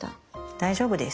大丈夫です。